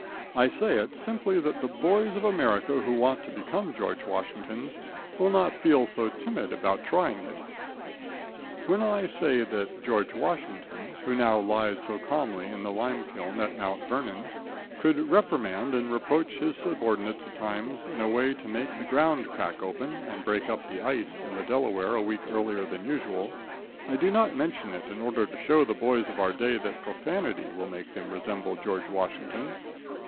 I say it simply that the boys of America who want to become George Washingtons will not feel so timid about trying it. When I say that George Washington, who now lies so calmly in the limekiln at Mount Vernon, could reprimand and reproach his subordinates at times, in a way to make the ground crack open and break up the ice in the Delaware a week earlier than usual, I do not mention it in order to show the boys of our day that profanity will make them resemble George Washington.